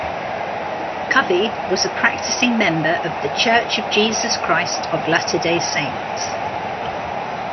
Covey was a practicing member of The Church of Jesus Christ of Latter-day Saints.